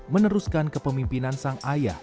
meneruskan kepemimpinan sang ayah